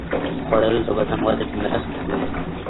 خوړل د بدن وده کې مرسته کوي